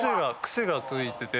癖がついてて。